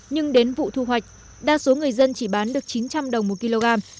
nhưng đến vụ thu hoạch đa số người dân chỉ bán được chín trăm linh đồng một kg